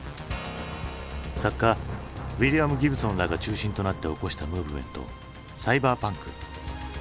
作家ウイリアム・ギブソンらが中心となって起こしたムーブメント「サイバーパンク」。